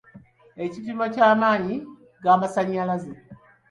Ekipimo ky'amaanyi g'amasannyalaze.